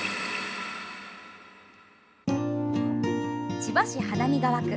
千葉市花見川区。